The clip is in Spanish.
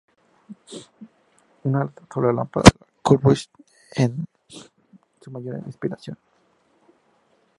Una sola lámpara de Le Corbusier era su "mayor inspiración".